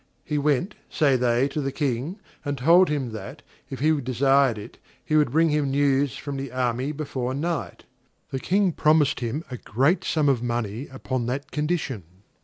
He went, say they, to the King, and told him that, if he desired it, he would bring him news from the army before night. The King promised him a great sum of money upon that condition.